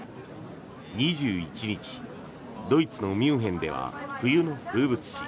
２１日ドイツのミュンヘンでは冬の風物詩